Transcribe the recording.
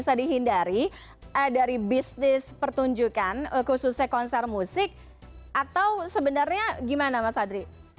bisa dihindari dari bisnis pertunjukan khususnya konser musik atau sebenarnya gimana mas adri